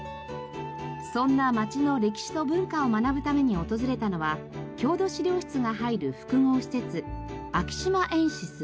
そんな町の歴史と文化を学ぶために訪れたのは郷土資料室が入る複合施設アキシマエンシス。